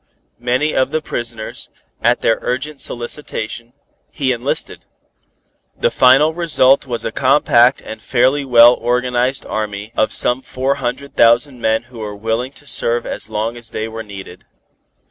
Many of the prisoners, at their urgent solicitation, he enlisted. The final result was a compact and fairly well organized army of some four hundred thousand men who were willing to serve as long as they were needed.